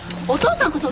お父さん！